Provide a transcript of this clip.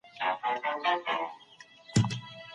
رسنۍ د خلکو په خبرولو کي مهم رول لري.